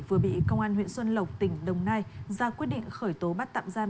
vừa bị công an huyện xuân lộc tỉnh đồng nai ra quyết định khởi tố bắt tạm giam